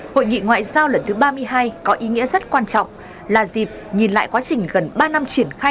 hội nghị ngoại giao lần thứ ba mươi hai có ý nghĩa rất quan trọng là dịp nhìn lại quá trình gần ba năm triển khai